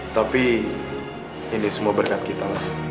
tapi ini semua berkat kita